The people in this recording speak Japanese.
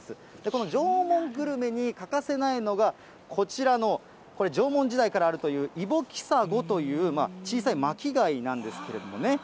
この縄文グルメに欠かせないのが、こちらの、これ、縄文時代からあるというイボキサゴという、小さい巻き貝なんですけれどもね。